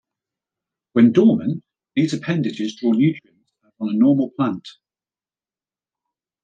When dormant, these appendages draw nutrients, as on a normal plant.